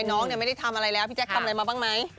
น้องไม่ได้ทำอะไรแล้วพี่แจ๊คทำอะไรมาบ้างไหม